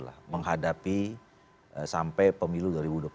ya gitu lah menghadapi sampai pemilu dua ribu dua puluh empat